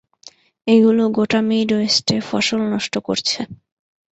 এগুলো গোটা মিডওয়েস্টে ফসল নষ্ট করছে।